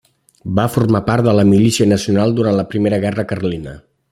Va formar part de la Milícia Nacional durant la Primera Guerra Carlina.